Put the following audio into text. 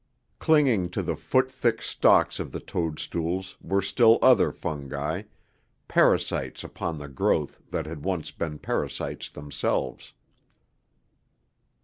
Clinging to the foot thick stalks of the toadstools were still other fungi, parasites upon the growth that had once been parasites themselves.